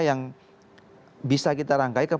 yang bisa kita rangkaikan